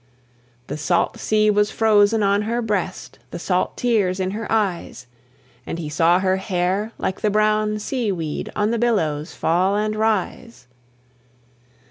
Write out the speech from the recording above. The salt sea was frozen on her breast, The salt tears in her eyes; And he saw her hair, like the brown sea weed, On the billows fall and rise.